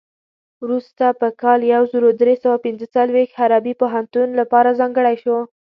وروسته په کال یو زر درې سوه پنځه څلوېښت حربي پوهنتون لپاره ځانګړی شو.